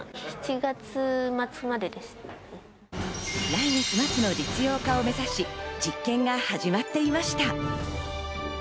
来月末の実用化を目指し、実験が始まっていました。